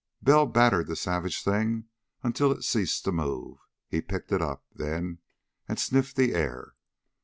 Bell battered the savage thing until it ceased to move. He picked it up, then, and sniffed the air.